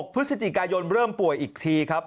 พฤศจิกายนเริ่มป่วยอีกทีครับ